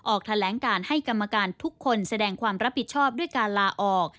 ออกแถลงการให้กรรมการทุกคนแสดงความรับผิดชอบด้วยการลาออก